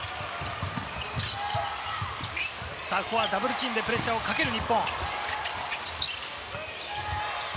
ここはダブルチームでプレッシャーをかける日本。